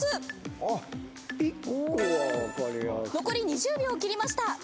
残り２０秒を切りました。